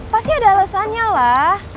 pasti ada alesannya lah